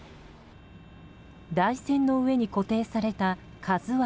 台船の上に固定された「ＫＡＺＵ１」。